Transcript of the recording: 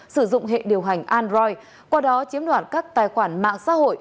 sử dụng hệ điều hành android qua đó chiếm đoạt các tài khoản mạng xã hội